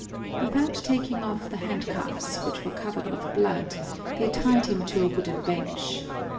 Without taking off the handcuffs, which were covered with blood, they tied him to a wooden bench.